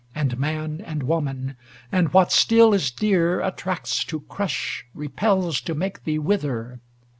And man, and woman; and what still is dear Attracts to crush, repels to make thee wither.